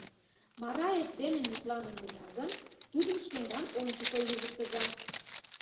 Мараев дене мутланынеда гын, тудым шкендан ончыко ӱжыктыза!